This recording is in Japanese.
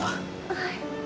はい。